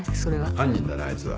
犯人だなあいつは。